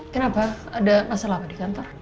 kenapa ada masalah pak di kantor